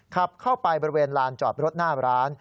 ขับเข้าไปบริเวณลานจอดรถหน้าร้าน